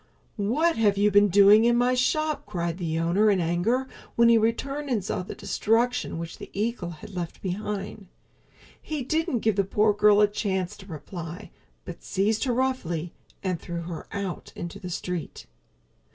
"What have you been doing in my shop?" cried the owner in anger when he returned and saw the destruction which the eagle had left behind. He didn't give the poor girl a chance to reply, but seized her roughly and threw her out into the street.